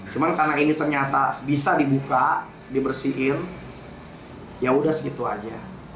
cuma karena ini ternyata bisa dibuka dibersihin ya udah segitu aja